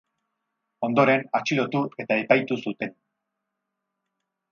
Ondoren, atxilotu eta epaitu zuten.